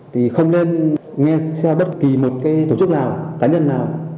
tôi không nên nghe bất kỳ một tổ chức nào cá nhân nào